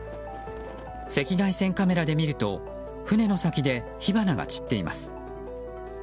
赤外線カメラで見ると船の先で火花が散っています。